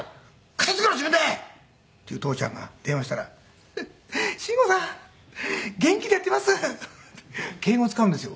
「片付けろ自分で！」っていう父ちゃんが電話したら「慎吾さん元気でやっています」って敬語使うんですよ